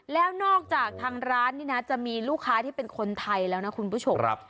แล้วนอกจากทางร้านนี่นะจะมีลูกค้าที่เป็นคนไทยแล้วนะคุณผู้ชม